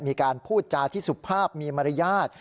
มีการพูดจาที่สุภาพมีมารยาท